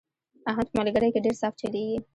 احمد په ملګرۍ کې ډېر صاف چلېږي.